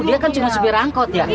dia kan cuma sepi rangkot ya